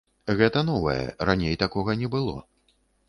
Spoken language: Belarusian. Гэта новае, раней такога не было.